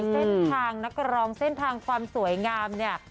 เส้นทางนักร้องเส้นทางความสวยงามเนี่ย